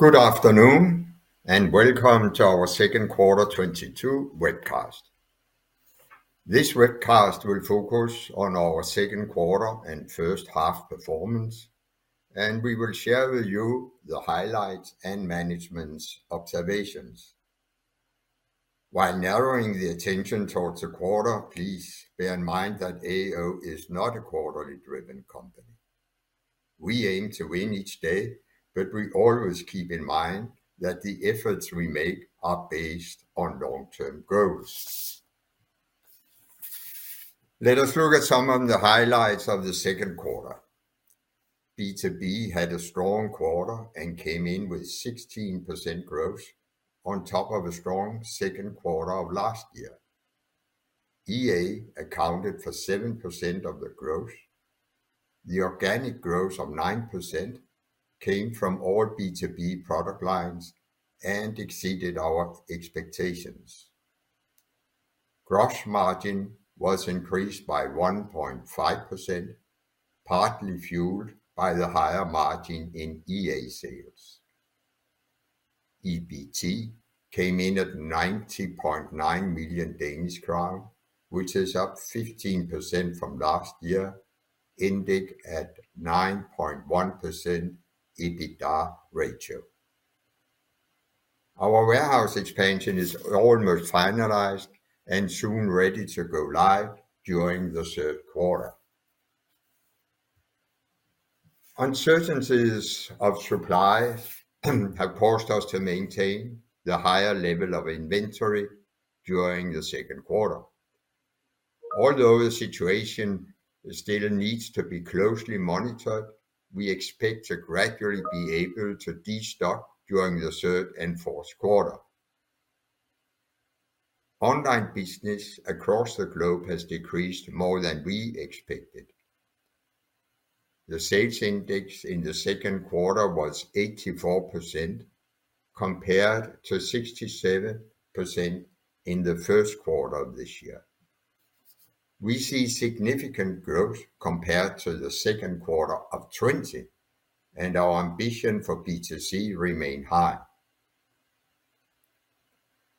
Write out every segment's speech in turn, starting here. Good afternoon, and welcome to our second quarter 2022 webcast. This webcast will focus on our second quarter and first half performance and we will share with you the highlights and management's observations. While narrowing the attention towards the quarter, please bear in mind that AO is not a quarterly-driven company. We aim to win each day, but we always keep in mind that the efforts we make are based on long-term goals. Let us look at some of the highlights of the second quarter. B2B had a strong quarter and came in with 16% growth on top of a strong second quarter of last year. EA accounted for 7% of the growth. The organic growth of 9% came from all B2B product lines and exceeded our expectations. Gross margin was increased by 1.5%, partly fueled by the higher margin in EA sales. EBT came in at 90.9 million Danish crown, which is up 15% from last year, ending at 9.1% EBITDA ratio. Our warehouse expansion is almost finalized and soon ready to go live during the third quarter. Uncertainties of supply have caused us to maintain the higher level of inventory during the second quarter. Although the situation still needs to be closely monitored, we expect to gradually be able to destock during the third and fourth quarter. Online business across the globe has decreased more than we expected. The sales index in the second quarter was 84% compared to 67% in the first quarter of this year. We see significant growth compared to the second quarter of 2020 and our ambition for B2C remain high.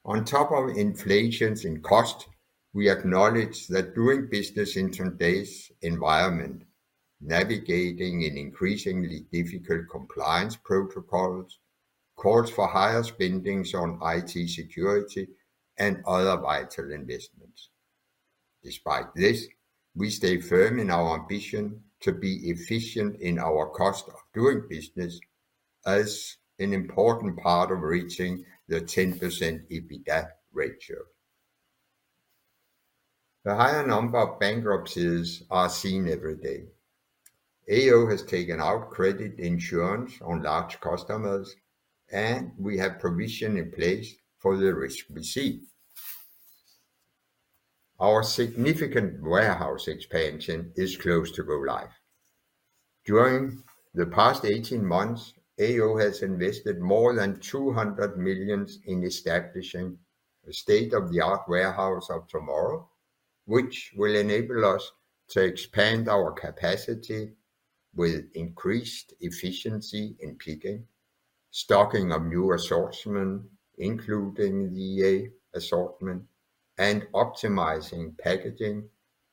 On top of inflation in costs, we acknowledge that doing business in today's environment, navigating an increasingly difficult compliance protocols, calls for higher spending on IT security and other vital investments. Despite this, we stay firm in our ambition to be efficient in our cost of doing business as an important part of reaching the 10% EBITDA ratio. The higher number of bankruptcies are seen every day. AO has taken out credit insurance on large customers and we have provisions in place for the risk we see. Our significant warehouse expansion is close to go live. During the past 18 months, AO has invested more than 200 million in establishing a state-of-the-art warehouse of tomorrow, which will enable us to expand our capacity with increased efficiency in picking, stocking of new assortment, including the EA assortment and optimizing packaging,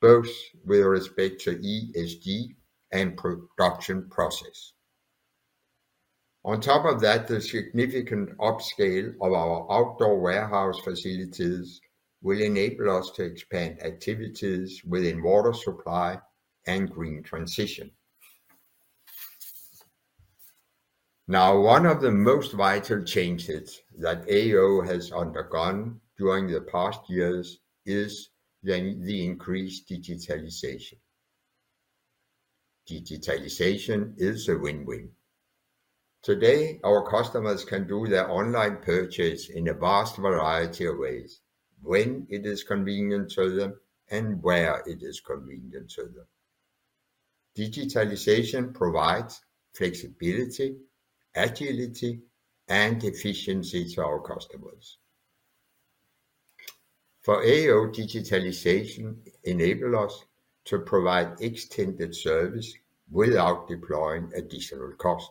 both with respect to ESG and production process. On top of that, the significant upscale of our outdoor warehouse facilities will enable us to expand activities within water supply and green transition. Now, one of the most vital changes that AO has undergone during the past years is the increased digitalization. Digitalization is a win-win. Today, our customers can do their online purchase in a vast variety of ways, when it is convenient to them and where it is convenient to them. Digitalization provides flexibility, agility, and efficiency to our customers. For AO, digitalization enable us to provide extended service without deploying additional cost.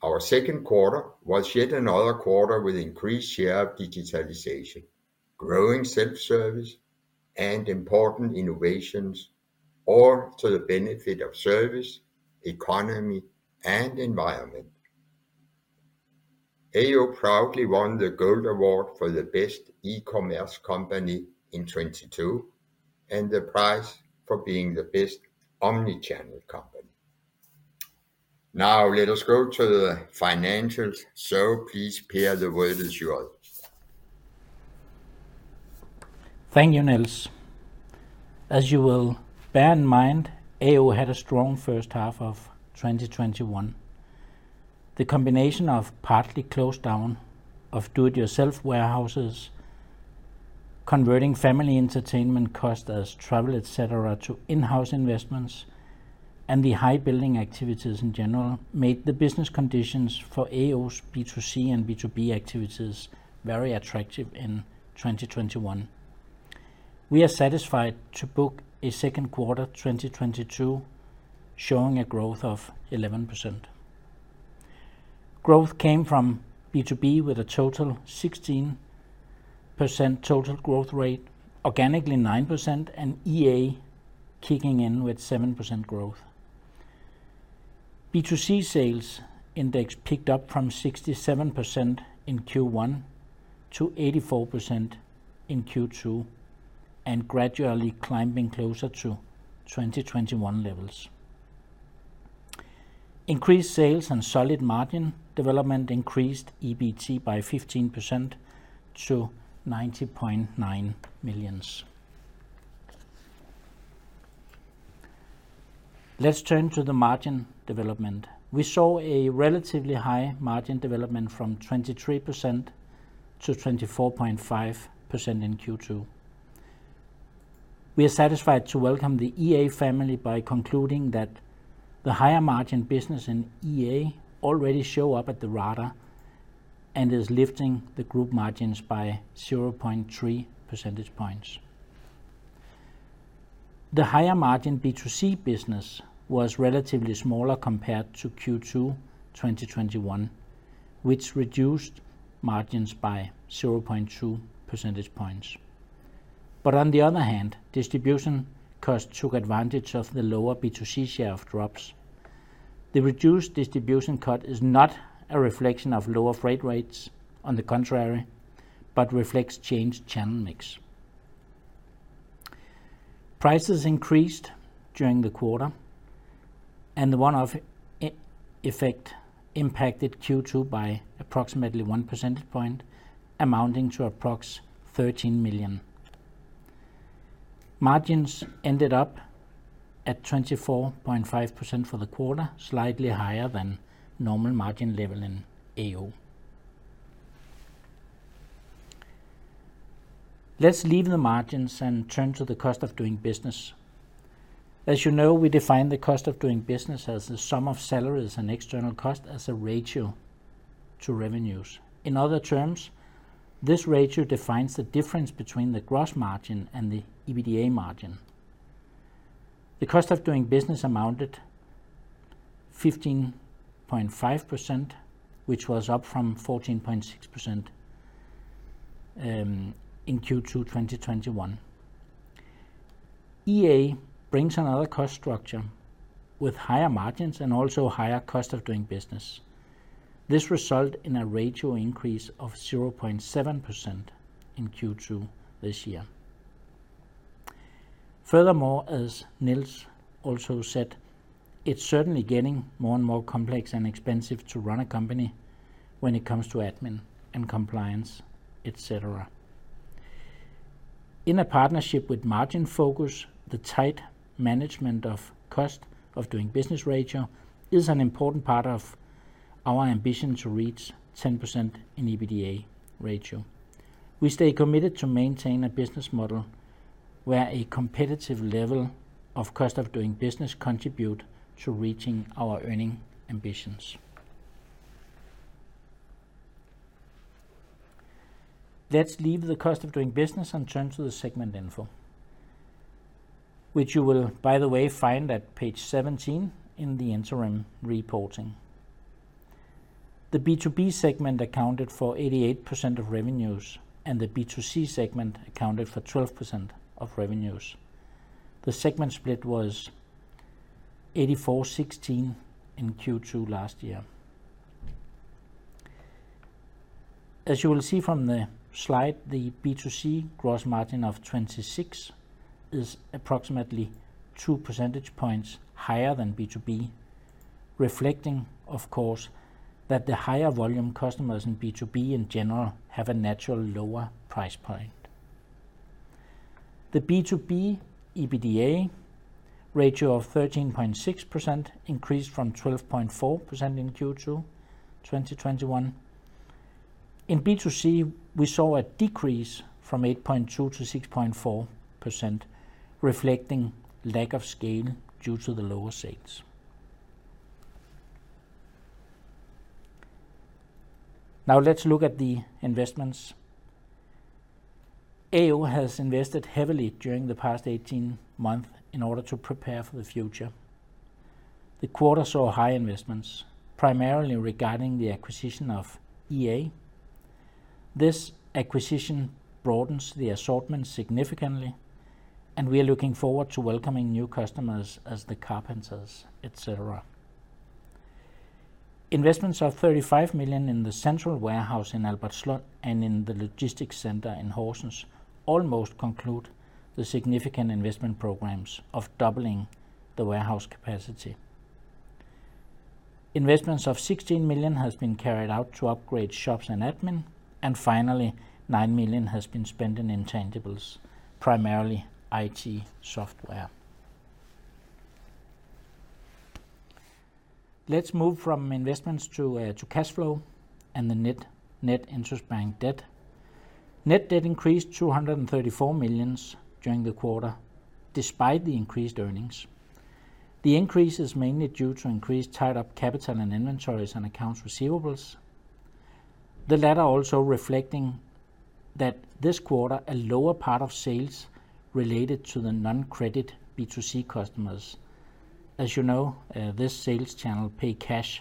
Our second quarter was yet another quarter with increased share of digitalization, growing self-service and important innovations, all to the benefit of service, economy and environment. AO proudly won the Gold Award for the best eCommerce company in 2022 and the prize for being the best omnichannel company. Now let us go to the financials. Please, Per, the word is yours. Thank you, Niels. As you will bear in mind, AO had a strong first half of 2021. The combination of partly closed down of do-it-yourself warehouses converting family entertainment costs as travel, et cetera, to in-house investments and the high building activities in general, made the business conditions for AO's B2C and B2B activities very attractive in 2021. We are satisfied to book a second quarter 2022 showing a growth of 11%. Growth came from B2B with a total 16% total growth rate, organically 9% and EA kicking in with 7% growth. B2C sales index picked up from 67% in Q1 to 84% in Q2 and gradually climbing closer to 2021 levels. Increased sales and solid margin development increased EBT by 15% to DKK 90.9 million. Let's turn to the margin development. We saw a relatively high margin development from 23% to 24.5% in Q2. We are satisfied to welcome the EA family by concluding that the higher margin business in EA already show up on the radar and is lifting the group margins by 0.3 percentage points. The higher margin B2C business was relatively smaller compared to Q2 2021, which reduced margins by 0.2 percentage points. Distribution costs took advantage of the lower B2C share of drops. The reduced distribution cost is not a reflection of lower freight rates, on the contrary, but reflects changed channel mix. Prices increased during the quarter and the one-off effect impacted Q2 by approximately 1 percentage point, amounting to approx 13 million. Margins ended up at 24.5% for the quarter, slightly higher than normal margin level in AO. Let's leave the margins and turn to the cost of doing business. As you know, we define the cost of doing business as the sum of salaries and external costs as a ratio to revenues. In other terms, this ratio defines the difference between the gross margin and the EBITDA margin. The cost of doing business amounted 15.5%, which was up from 14.6% in Q2 2021. EA brings another cost structure with higher margins and also higher cost of doing business. This result in a ratio increase of 0.7% in Q2 this year. Furthermore, as Niels also said, it's certainly getting more and more complex and expensive to run a company when it comes to admin and compliance, et cetera. In a partnership with margin focus, the tight management of cost of doing business ratio is an important part of our ambition to reach 10% in EBITDA ratio. We stay committed to maintain a business model where a competitive level of cost of doing business contribute to reaching our earning ambitions. Let's leave the cost of doing business and turn to the segment info, which you will by the way, find at page 17 in the interim reporting. The B2B segment accounted for 88% of revenues and the B2C segment accounted for 12% of revenues. The segment split was 84/16 in Q2 last year. As you will see from the slide, the B2C gross margin of 26% is approximately 2 percentage points higher than B2B, reflecting, of course, that the higher volume customers in B2B in general have a natural lower price point. The B2B EBITDA ratio of 13.6% increased from 12.4% in Q2 2021. In B2C, we saw a decrease from 8.2% to 6.4%, reflecting lack of scale due to the lower sales. Now let's look at the investments. AO has invested heavily during the past 18 months in order to prepare for the future. The quarter saw high investments, primarily regarding the acquisition of EA Værktøj. This acquisition broadens the assortment significantly and we are looking forward to welcoming new customers as the carpenters, et cetera. Investments of 35 million in the central warehouse in Albertslund and in the logistics center in Horsens almost conclude the significant investment programs of doubling the warehouse capacity. Investments of 16 million has been carried out to upgrade shops and admin. Finally, 9 million has been spent in intangibles, primarily IT software. Let's move from investments to cash flow and the net interest bank debt. Net debt increased 234 million during the quarter, despite the increased earnings. The increase is mainly due to increased tied-up capital in inventories and accounts receivables. The latter also reflecting that this quarter, a lower part of sales related to the non-credit B2C customers. As you know, this sales channel pay cash.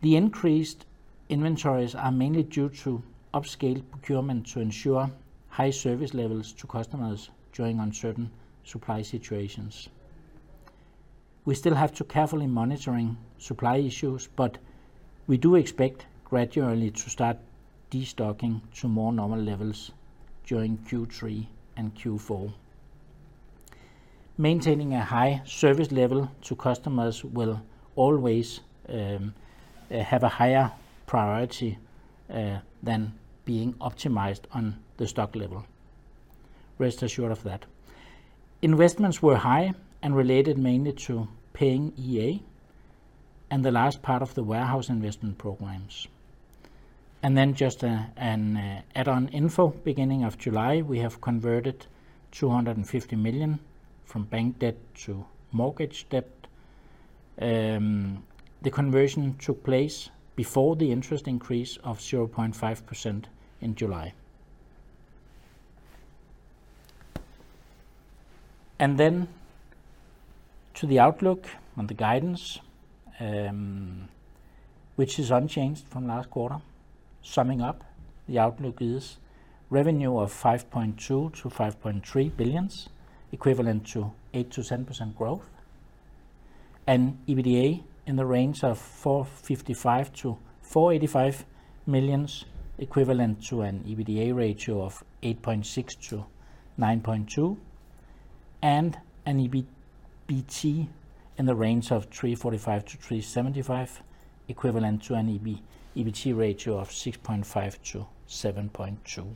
The increased inventories are mainly due to upfront procurement to ensure high service levels to customers during uncertain supply situations. We still have to carefully monitoring supply issues, but we do expect gradually to start destocking to more normal levels during Q3 and Q4. Maintaining a high service level to customers will always have a higher priority than being optimized on the stock level. Rest assured of that. Investments were high and related mainly to paying EA and the last part of the warehouse investment programs. Just an add-on info. Beginning of July, we have converted 250 million from bank debt to mortgage debt. The conversion took place before the interest increase of 0.5% in July. To the outlook on the guidance, which is unchanged from last quarter. Summing up, the outlook is revenue of 5.2 billion-5.3 billion, equivalent to 8%-10% growth. EBITDA in the range of 455 million-485 million, equivalent to an EBITDA ratio of 8.6%-9.2%. An EBT in the range of 345 million-375 million, equivalent to an EBT ratio of 6.5%-7.2%.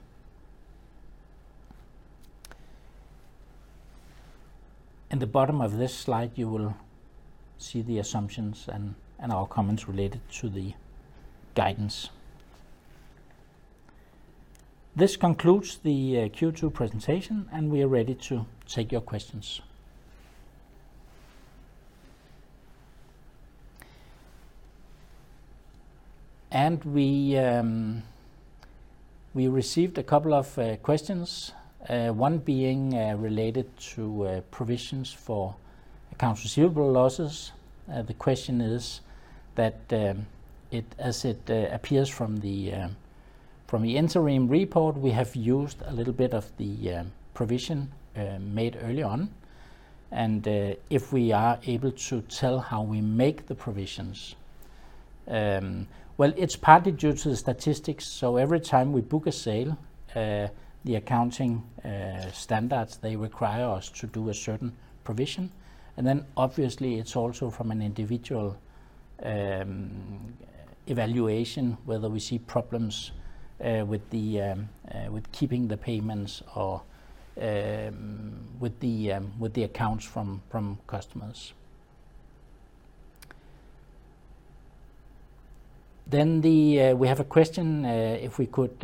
In the bottom of this slide, you will see the assumptions and our comments related to the guidance. This concludes the Q2 presentation and we are ready to take your questions. We received a couple of questions, one being related to provisions for accounts receivable losses. The question is that, as it appears from the interim report we have used a little bit of the provision made early on and if we are able to tell how we make the provisions. Well, it's partly due to the statistics. So every time we book a sale, the accounting standards, they require us to do a certain provision. Obviously, it's also from an individual evaluation whether we see problems with keeping the payments or with the accounts from customers. We have a question if we could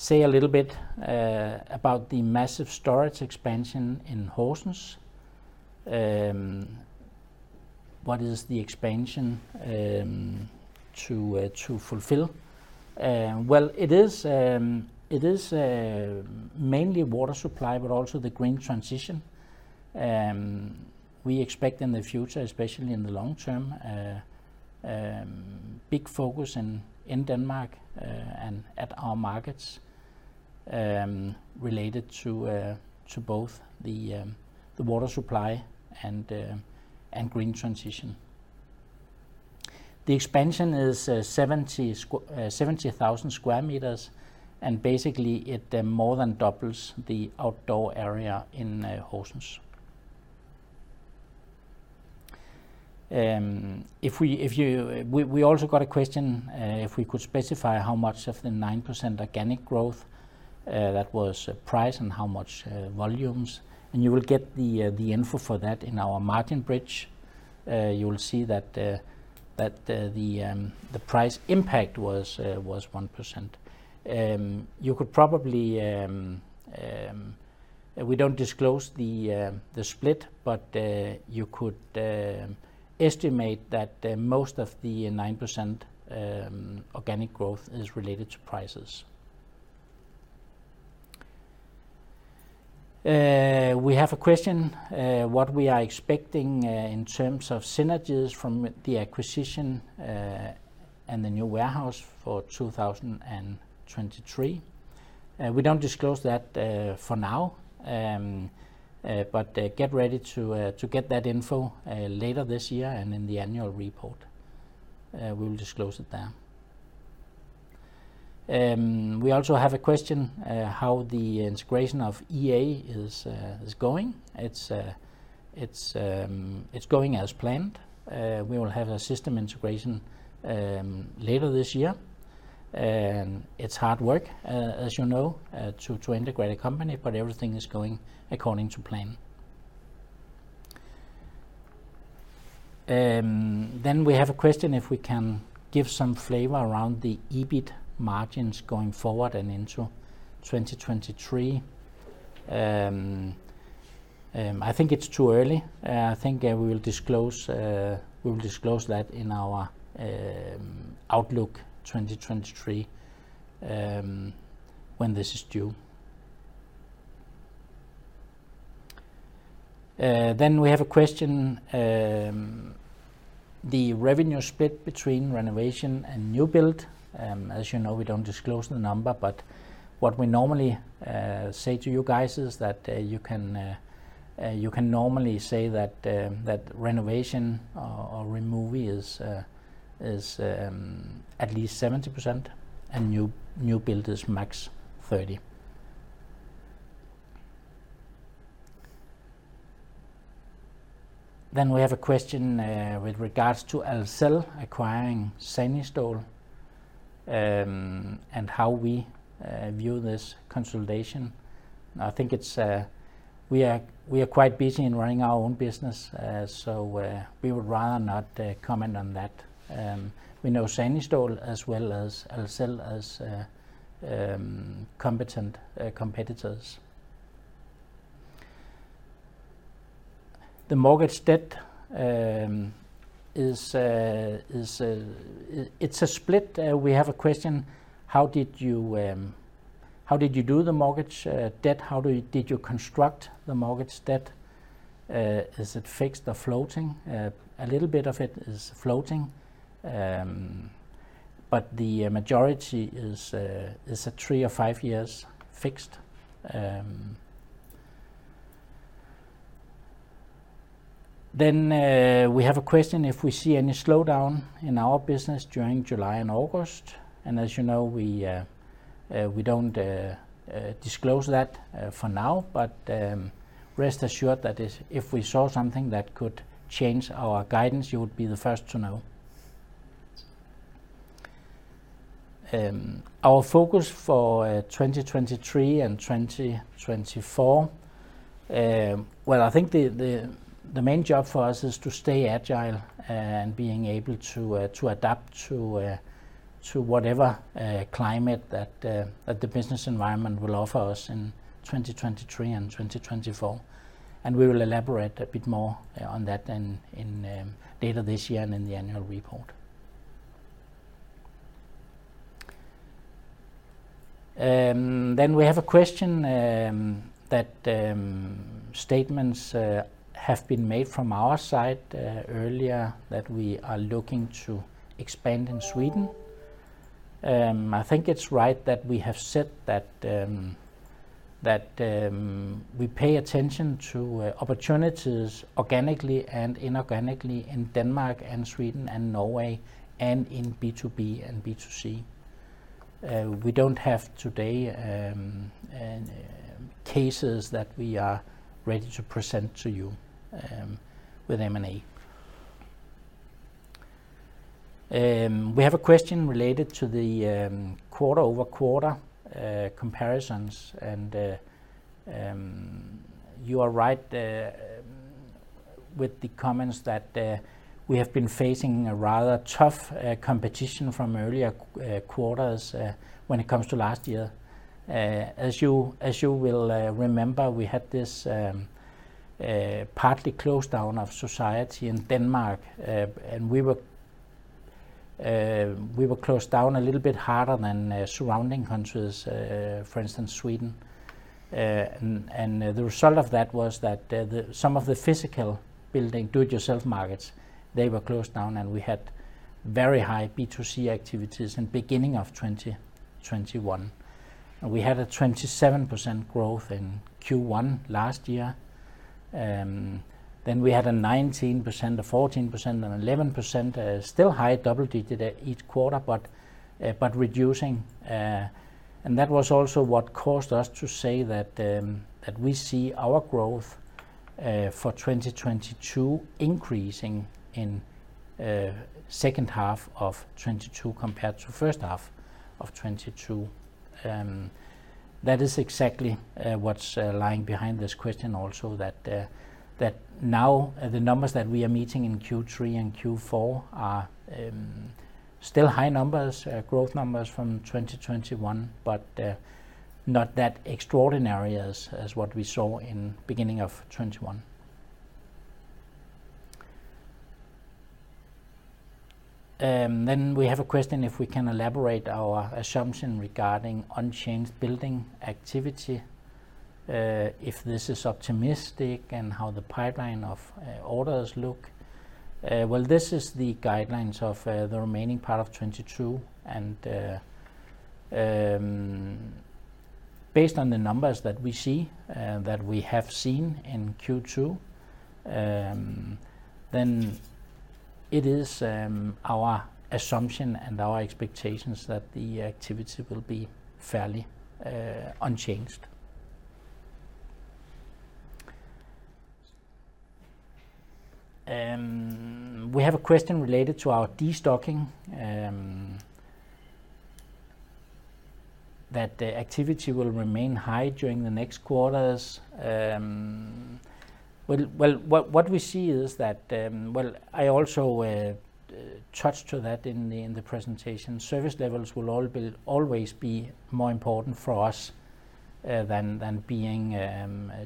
say a little bit about the massive storage expansion in Horsens. What is the expansion to fulfill? Well, it is mainly water supply, but also the green transition. We expect in the future, especially in the long term, big focus in Denmark and at our markets related to both the water supply and green transition. The expansion is 70,000 sq m and basically it more than doubles the outdoor area in Horsens. We also got a question if we could specify how much of the 9% organic growth that was price and how much volumes. You will get the info for that in our margin bridge. You will see that the price impact was 1%. We don't disclose the split, but you could estimate that most of the 9% organic growth is related to prices. We have a question, what we are expecting in terms of synergies from the acquisition and the new warehouse for 2023. We don't disclose that for now. Get ready to get that info later this year and in the annual report. We'll disclose it there. We also have a question how the integration of EA is going. It's going as planned. We will have a system integration later this year. It's hard work, as you know, to integrate a company, but everything is going according to plan. We have a question if we can give some flavor around the EBIT margins going forward and into 2023. I think it's too early. I think we will disclose that in our outlook 2023 when this is due. We have a question, the revenue split between renovation and new build. As you know, we don't disclose the number, but what we normally say to you guys is that you can normally say that renovation or remove is at least 70% and new build is max 30%. We have a question with regards to Ahlsell acquiring Sanistål and how we view this consolidation. I think it's we are quite busy in running our own business, so we would rather not comment on that. We know Sanistål as well as Ahlsell as competent competitors. The mortgage debt is a split. We have a question, how did you do the mortgage debt? Did you construct the mortgage debt? Is it fixed or floating? A little bit of it is floating, but the majority is a 3 or 5 years fixed. We have a question if we see any slowdown in our business during July and August. As you know, we don't disclose that for now, but rest assured that if we saw something that could change our guidance, you would be the first to know. Our focus for 2023 and 2024, well, I think the main job for us is to stay agile and being able to adapt to whatever climate that the business environment will offer us in 2023 and 2024. We will elaborate a bit more on that later this year and in the annual report. We have a question that statements have been made from our side earlier that we are looking to expand in Sweden. I think it's right that we have said that we pay attention to opportunities organically and inorganically in Denmark and Sweden and Norway and in B2B and B2C. We don't have today cases that we are ready to present to you with M&A. We have a question related to the quarter-over-quarter comparisons and you are right with the comments that we have been facing a rather tough competition from earlier quarters when it comes to last year. As you will remember, we had this partly closed down of society in Denmark and we were closed down a little bit harder than surrounding countries for instance Sweden. The result of that was that some of the physical building do-it-yourself markets they were closed down and we had very high B2C activities in beginning of 2021. We had a 27% growth in Q1 last year. We had 19%, 14%, and 11%, still high double-digit each quarter, but reducing, and that was also what caused us to say that we see our growth for 2022 increasing in second half of 2022 compared to first half of 2022. That is exactly what's lying behind this question also that now the numbers that we are meeting in Q3 and Q4 are still high numbers, growth numbers from 2021 but not that extraordinary as what we saw in beginning of 2021. We have a question if we can elaborate our assumption regarding unchanged building activity, if this is optimistic and how the pipeline of orders look. Well, this is the guidance of the remaining part of 2022 and based on the numbers that we see that we have seen in Q2, then it is our assumption and our expectations that the activity will be fairly unchanged. We have a question related to our destocking that the activity will remain high during the next quarters. Well, what we see is that. Well, I also touched on that in the presentation. Service levels will always be more important for us than being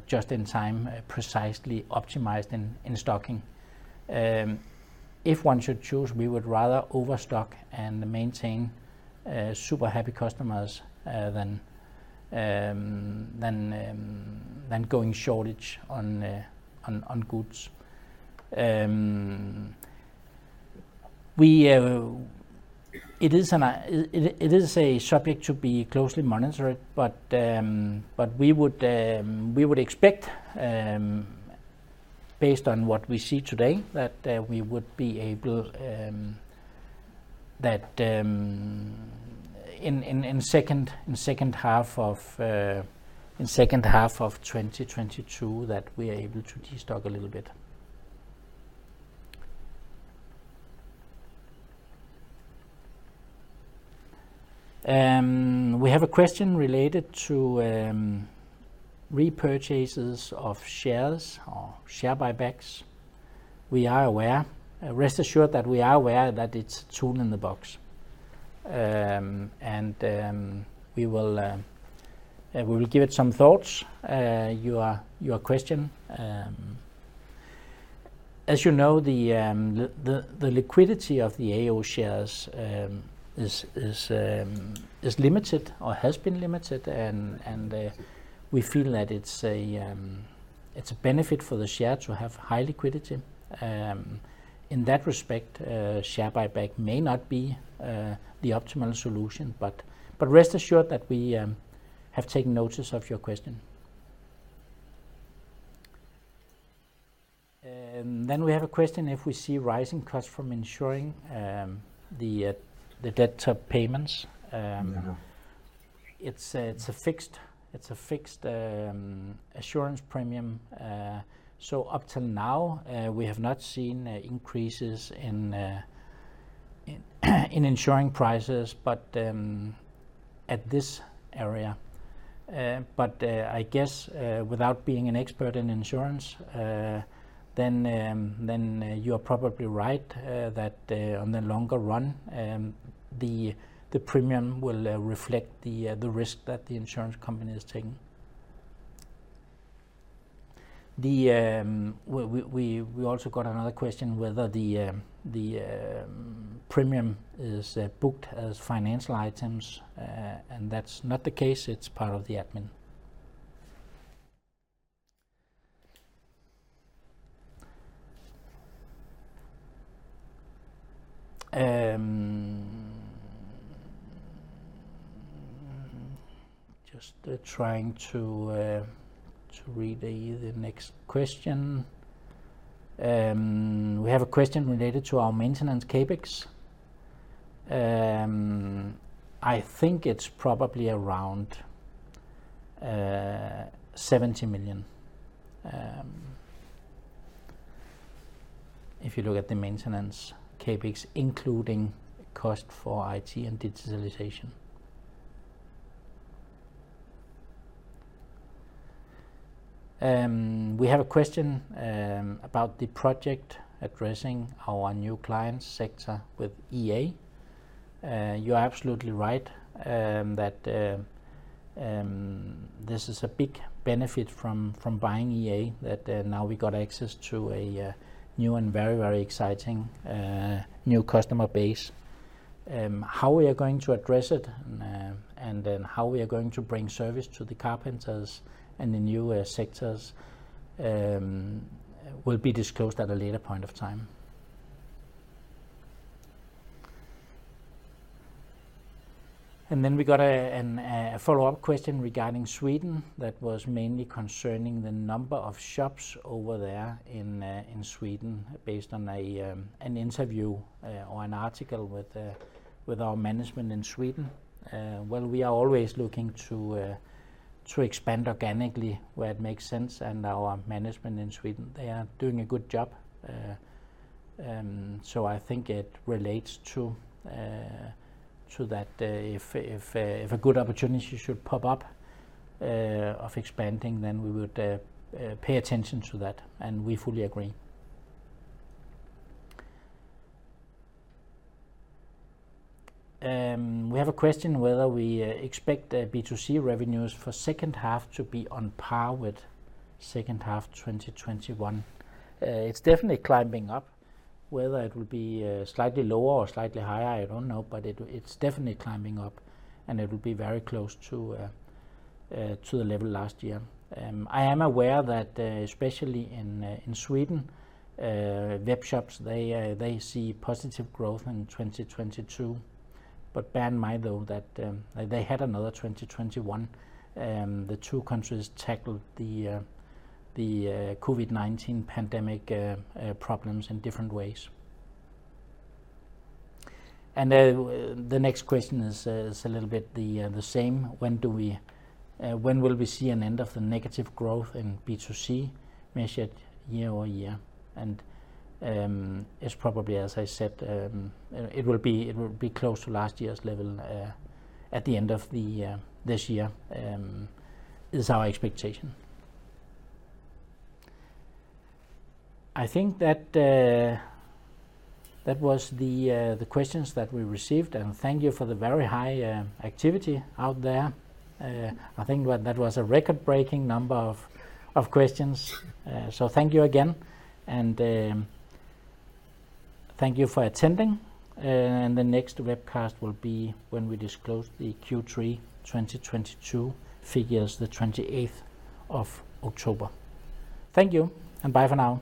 just in time, precisely optimized in stocking. If one should choose, we would rather overstock and maintain super happy customers than going short on goods. It is a subject to be closely monitored but we would expect, based on what we see today, that in second half of 2022 we are able to destock a little bit. We have a question related to repurchases of shares or share buybacks. We are aware. Rest assured that we are aware that it's a tool in the box. We will give it some thoughts, your question. As you know, the liquidity of the AO shares is limited or has been limited and we feel that it's a benefit for the share to have high liquidity. In that respect, share buyback may not be the optimal solution but rest assured that we have taken notice of your question. Then we have a question if we see rising costs from insuring the debtor payments. It's a fixed assurance premium. So up till now, we have not seen increases in insuring prices, but at this area. I guess without being an expert in insurance then you are probably right that on the longer run the premium will reflect the risk that the insurance company is taking. We also got another question whether the premium is booked as financial items and that's not the case. It's part of the admin. Just trying to read the next question. We have a question related to our maintenance CapEx. I think it's probably around DKK 70 million, if you look at the maintenance CapEx, including cost for IT and digitalization. We have a question about the project addressing our new client sector with EA. You are absolutely right, that this is a big benefit from buying EA, that now we got access to a new and very, very exciting new customer base. How we are going to address it and then how we are going to bring service to the carpenters and the newer sectors, will be disclosed at a later point of time. Then we got a follow-up question regarding Sweden that was mainly concerning the number of shops over there in Sweden based on an interview or an article with our management in Sweden. Well, we are always looking to expand organically where it makes sense and our management in Sweden, they are doing a good job. So I think it relates to that. If a good opportunity should pop up of expanding, then we would pay attention to that and we fully agree. We have a question whether we expect B2C revenues for second half to be on par with second half 2021. It's definitely climbing up. Whether it will be slightly lower or slightly higher, I don't know, but it's definitely climbing up and it will be very close to the level last year. I am aware that especially in Sweden, web shops, they see positive growth in 2022. But bear in mind, though, that they had another 2021. The two countries tackled the COVID-19 pandemic problems in different ways. The next question is a little bit the same. When will we see an end of the negative growth in B2C measured year-over-year? It's probably, as I said, it will be close to last year's level at the end of this year, is our expectation. I think that was the questions that we received and thank you for the very high activity out there. I think that was a record-breaking number of questions. Thank you again and thank you for attending. The next webcast will be when we disclose the Q3 2022 figures, the 28th of October. Thank you, and bye for now.